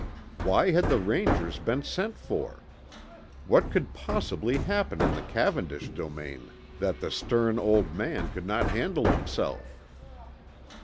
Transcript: Why had the Rangers been sent for? What could possibly happen in the Cavendish domain that the stern old man could not handle himself?